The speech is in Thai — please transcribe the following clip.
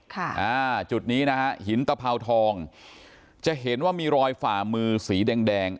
อ่าจุดนี้นะฮะหินตะเภาทองจะเห็นว่ามีรอยฝ่ามือสีแดงแดง